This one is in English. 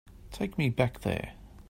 Take me back there.